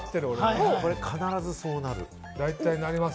これ、必ずこうなる。